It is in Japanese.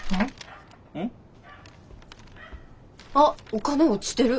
あっお金落ちてる。